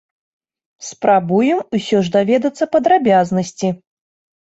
Спрабуем усё ж даведацца падрабязнасці.